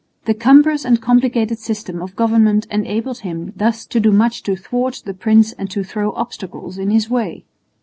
The cumbrous and complicated system of government enabled him thus to do much to thwart the prince and to throw obstacles in his way.